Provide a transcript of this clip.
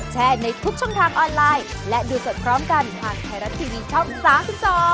ในทุกช่องทางออนไลน์และดูสดพร้อมกันทางไทยรัฐทีวีช่อง๓๒